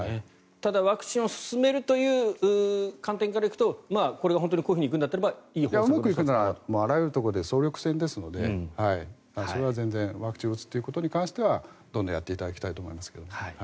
ただ、ワクチンを進めるという観点から行くとこれが本当にこういくんだったらうまくいくならあらゆるところで総力戦ですのでそれは全然ワクチンを打つことに関してはどんどんやっていただきたいと思いますね。